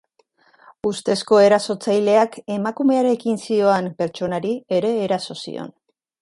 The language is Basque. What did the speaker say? Ustezko erasotzaileak emakumearekin zihoan pertsonari ere eraso zion.